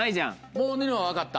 もうニノは分かった？